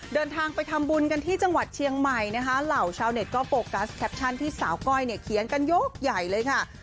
เดินทางไปทำบุญกันที่จังหวัดเชียงใหม่นะคะเหล่าชาวเน็ตก็โฟกัสแคปชั่นที่สาวก้อยเนี่ยเขียนกันยกใหญ่เลยค่ะ